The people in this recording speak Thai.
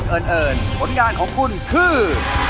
เอิ้นเอิ้นผลงานของคุณคือ